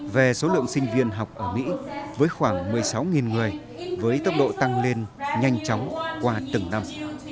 về số lượng sinh viên học ở mỹ với khoảng một mươi sáu người với tốc độ tăng lên nhanh chóng qua từng năm